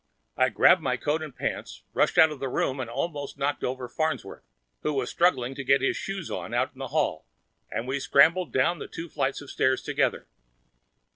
I grabbed my coat and pants, rushed out of the room, almost knocked over Farnsworth, who was struggling to get his shoes on out in the hall, and we scrambled down the two flights of stairs together.